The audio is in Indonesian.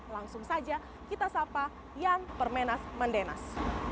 langsung saja kita sapa yan permenas mandenas